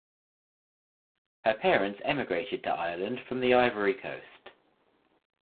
Her parents emigrated to Ireland from the Ivory Coast.